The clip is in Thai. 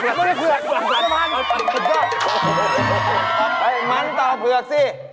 กินมันติดเผือกติดทั้งเผือก